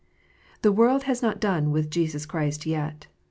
The world has not done with Jesus Christ yet.